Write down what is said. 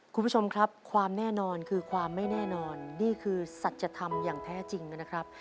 คุณผู้ชมครับความแน่นอนคือความไม่แน่นอนนี่คือสัจธรรมอย่างแท้จริงนะครับ